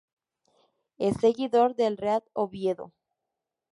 Es seguidor del Real Oviedo.